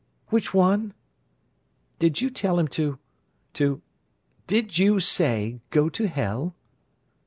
"Which one?" "Did you tell him to—to—Did you say, 'Go to hell?